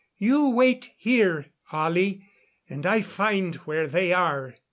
You wait here, Ollie, and I find where they are."